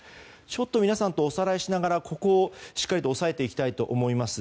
ちょっと皆さんとおさらいしながらここをしっかりと押さえていきたいと思います。